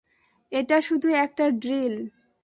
এটা শুধু একটা ড্রিল।